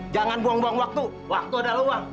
jangan buang buang waktu waktu adalah uang